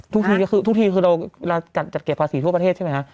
ทุกทีคือเราจัดเก็บภาษีทั่วประเทศใช่ไหมคะ